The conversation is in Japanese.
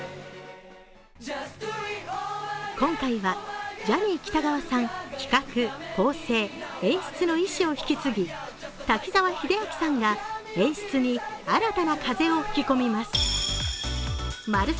今回はジャニー喜多川さん企画・構成・演出の意思を引き継ぎ、滝沢秀明さんが演出に新たな風を吹き込みます。